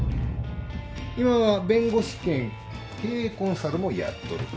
今は弁護士兼経営コンサルもやっとる。